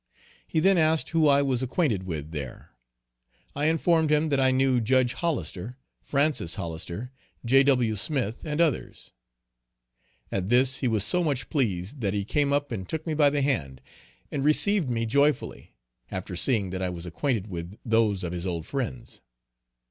He then asked who I was acquainted with there? I informed him that I knew Judge Hollister, Francis Hollister, J.W. Smith, and others. At this he was so much pleased that he came up and took me by the hand, and received me joyfully, after seeing that I was acquainted with those of his old friends.